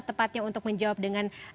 tepatnya untuk menjawab dengan